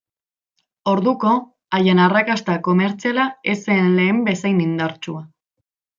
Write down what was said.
Orduko, haien arrakasta komertziala ez zen lehen bezain indartsua.